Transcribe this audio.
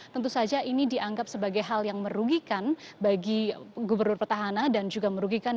tentu saja ini dianggap sebagai hal yang merugikan bagi gubernur petahana dan juga merugikan